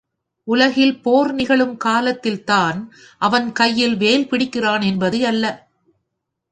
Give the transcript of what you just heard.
உலகில் போர் நிகழும் காலத்தில் தான் அவன் கையில் வேல் பிடிக்கிறான் என்பது அல்ல.